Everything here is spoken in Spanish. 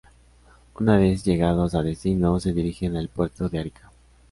Una vez llegados a destino, se dirigen al puerto de Arica.